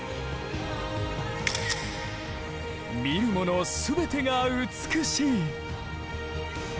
見るもの全てが美しい！